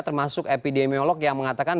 termasuk epidemiolog yang mengatakan